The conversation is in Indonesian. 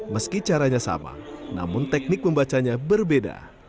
meski caranya sama namun teknik membacanya berbeda